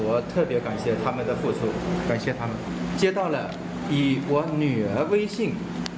ข้อความมารีดไถเงินประมาณ๓แสนบาทให้เวลา๓ชั่วโมง